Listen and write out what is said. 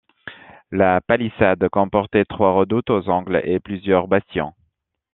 La palissade comportait trois redoutes aux angles et plusieurs bastions.